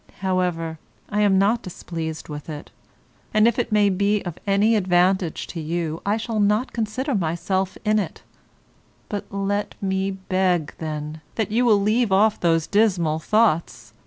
However, I am not displeased with it, and, if it may be of any advantage to you, I shall not consider myself in it; but let me beg, then, that you will leave off those dismal thoughts.